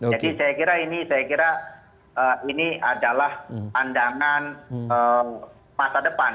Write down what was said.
jadi saya kira ini adalah pandangan masa depan